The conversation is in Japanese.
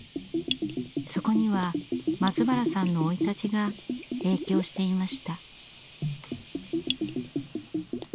そこには松原さんの生い立ちが影響していました。